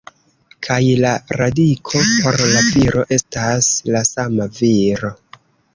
Kaj la radiko, por la viro, estas la sama viro.